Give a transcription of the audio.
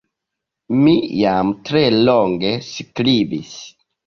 Mi jam tre longe skribis.